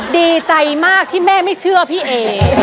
ดีใจมากที่แม่ไม่เชื่อพี่เอ